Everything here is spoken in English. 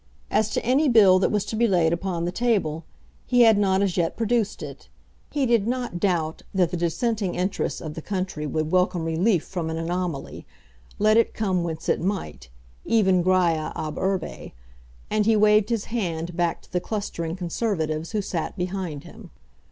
As to any bill that was to be laid upon the table, he had not as yet produced it. He did not doubt that the dissenting interests of the country would welcome relief from an anomaly, let it come whence it might, even Graiâ ab urbe, and he waved his hand back to the clustering Conservatives who sat behind him.